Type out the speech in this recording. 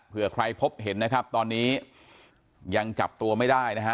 เพื่อใครพบเห็นนะครับตอนนี้ยังจับตัวไม่ได้นะฮะ